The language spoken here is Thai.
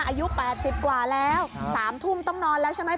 อายุ๘๐กว่าแล้ว๓ทุ่มต้องนอนแล้วใช่ไหม